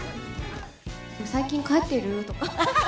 最近、帰ってる？とか。